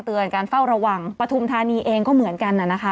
การเฝ้าระวังปฐุมธานีเองก็เหมือนกันนะคะ